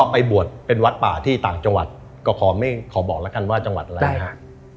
ไปบวชเป็นวัดป่าที่ต่างจังหวัดก็ขอไม่ขอบอกแล้วกันว่าจังหวัดอะไรฮะ